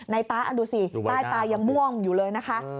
ตาดูสิใต้ตายังม่วงอยู่เลยนะคะ